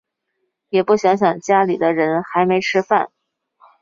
也不想想家里的人还没吃饭